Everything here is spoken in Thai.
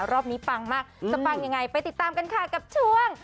รอบนี้ปังมากจะปังยังไงไปติดตามกันค่ะกับช่วง